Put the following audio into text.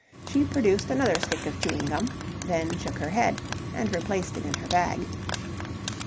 She produced another stick of chewing gum, then shook her head and replaced it in her bag.